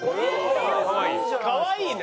かわいいな！